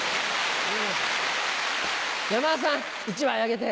山田さん１枚あげて。